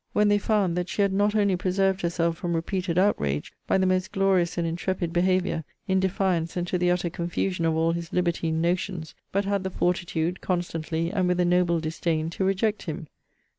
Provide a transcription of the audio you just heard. when they found, that she had not only preserved herself from repeated outrage, by the most glorious and intrepid behaviour, in defiance, and to the utter confusion of all his libertine notions, but had the fortitude, constantly, and with a noble disdain, to reject him.